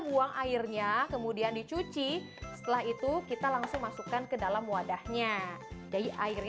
buang airnya kemudian dicuci setelah itu kita langsung masukkan ke dalam wadahnya jadi airnya